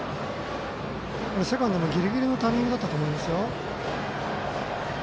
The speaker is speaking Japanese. セカンドもギリギリのタイミングだったと思いますよ。